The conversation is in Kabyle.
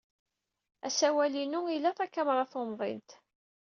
Asawal-inu ila takamra tumḍint.